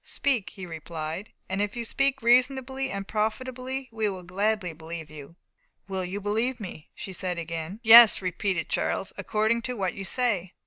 "Speak," he replied, "and if you speak reasonably and profitably, we will gladly believe you." "Will you believe me?" she said again. "Yes," repeated Charles, "according to what you say."